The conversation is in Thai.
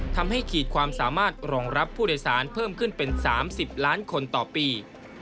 ขีดความสามารถรองรับผู้โดยสารเพิ่มขึ้นเป็น๓๐ล้านคนต่อปี